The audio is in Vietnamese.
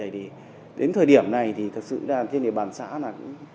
thì đến thời điểm này thì thật sự trên địa bàn xã là